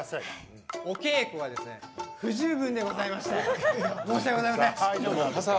お稽古が不十分でございまして申し訳ございません。